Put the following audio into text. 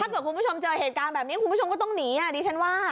เกิดคุณผู้ชมเจอเหตุการณ์แบบนี้คุณผู้ชมก็ต้องหนีดิฉันว่า